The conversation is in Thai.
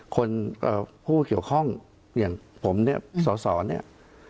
ผู้เกี่ยวข้องอย่างผมเนี่ยสอสอเนี่ย